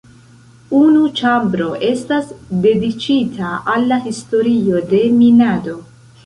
Unu ĉambro estas dediĉita al la historio de minado.